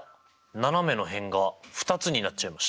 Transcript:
斜めの辺が２つになっちゃいました！